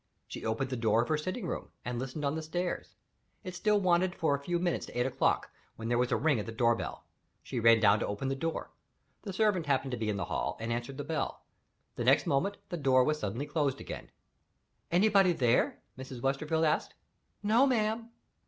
She opened the door of her sitting room and listened on the stairs. It still wanted for a few minutes to eight o'clock, when there was a ring at the house bell. She ran down to open the door. The servant happened to be in the hall, and answered the bell. The next moment, the door was suddenly closed again. "Anybody there?" Mrs. Westerfield asked. "No, ma'am."